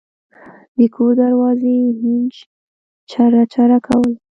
د کور دروازې هینج چرچره کوله.